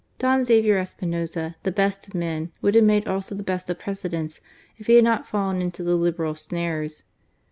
Don Xavier Espinoza, the best of men, would have made also the best of Presidents if he had not fallen into the Liberal snares.